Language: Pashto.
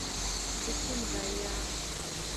د کوم ځای یاست.